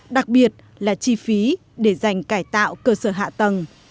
đặc biệt là chi phí để dành cải tạo cơ sở hạ tầng